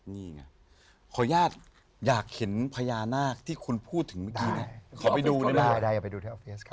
นี่ไงขออนุญาตอยากเห็นพญานาคที่คุณพูดถึงเมื่อกี้นะขอไปดูนะครับได้อย่าไปดูที่โอเฟศค่ะ